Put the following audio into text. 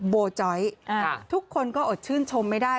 โบจอยทุกคนก็อดชื่นชมไม่ได้